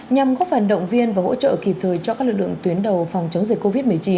nhằm góp phần động viên và hỗ trợ kịp thời cho các lực lượng tuyến đầu phòng chống dịch covid một mươi chín